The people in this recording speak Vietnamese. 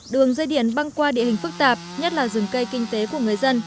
đường dây điện băng qua địa hình phức tạp nhất là rừng cây kinh tế của người dân